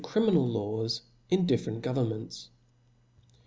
criminal Laws in different Governments.